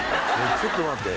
ちょっと待って。